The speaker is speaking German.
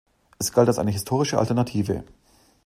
Es galt als eine historische Alternative.